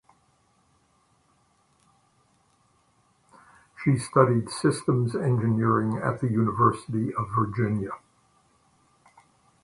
She studied systems engineering at the University of Virginia.